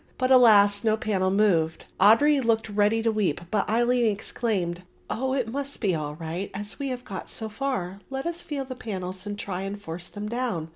But alas no panel moved. Audry looked ready to weep, but Aline exclaimed, "Oh, it must be all right as we have got so far; let us feel the panels and try and force them down.